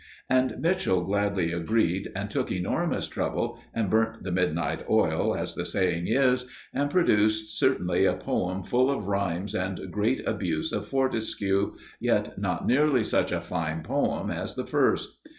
And Mitchell gladly agreed, and took enormous trouble and burnt the midnight oil, as the saying is, and produced certainly a poem full of rhymes and great abuse of Fortescue, yet not nearly such a fine poem as the first.